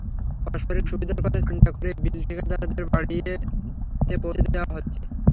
পারস্পরিক সুবিধার কথা চিন্তা করেই বিল ঠিকাদারদের বাড়িতে পৌঁছে দেওয়া হচ্ছে।